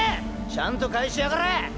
ちゃんと返しやがれ！